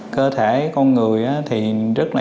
cơ thể con người rất nhẹ nhàng